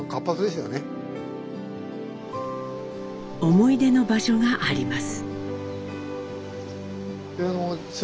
思い出の場所があります。